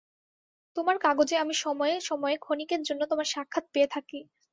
তোমার কাগজে আমি সময়ে সময়ে ক্ষণিকের জন্য তোমার সাক্ষাৎ পেয়ে থাকি।